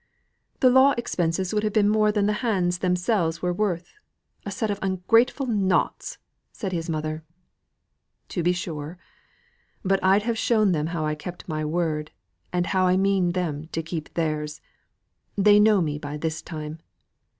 "The law expenses would have been more than the hands themselves were worth a set of ungrateful naughts!" said his mother. "To be sure. But I'd have shown them how to keep my word, and how I mean them to keep their's. They know me by this time.